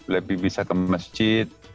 lebih bisa ke masjid